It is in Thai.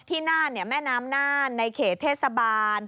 ที่น่านเนี่ยแม่น้ำน่านในเขตเทศบาล